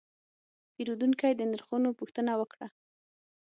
پیرودونکی د نرخونو پوښتنه وکړه.